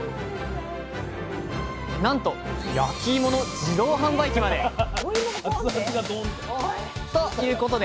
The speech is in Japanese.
なんと焼き芋の自動販売機まで！ということで！